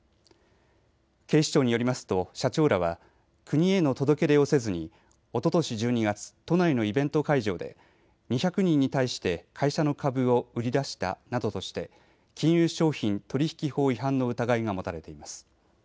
警視庁によりますと社長らは国への届け出をせずにおととし１２月都内のイベント会場で２００人に対して会社の株を売り出したなどとして金融商品取引法違反の疑いが持たれています。